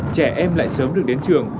trẻ em lại sớm được đến trường